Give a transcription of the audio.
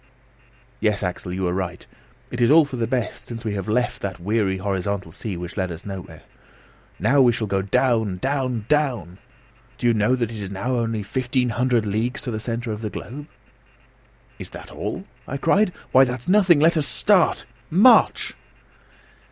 "Yes, Axel, you are right. It is all for the best, since we have left that weary, horizontal sea, which led us nowhere. Now we shall go down, down, down! Do you know that it is now only 1,500 leagues to the centre of the globe?" "Is that all?" I cried. "Why, that's nothing. Let us start: march!"